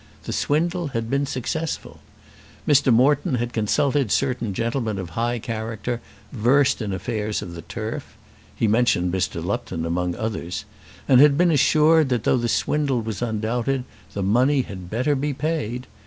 The swindle had been successful. Mr. Moreton had consulted certain gentlemen of high character versed in affairs of the turf. He mentioned Mr. Lupton among others, and had been assured that though the swindle was undoubted, the money had better be paid.